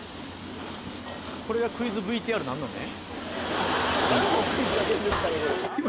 これがクイズＶＴＲなんのね？